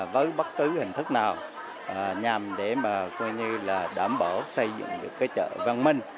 với bất cứ hình thức nào nhằm để đảm bảo xây dựng chợ văn minh